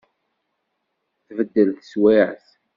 Tbeddel teswiεt.